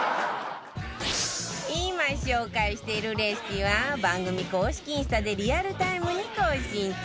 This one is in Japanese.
今紹介しているレシピは番組公式インスタでリアルタイムに更新中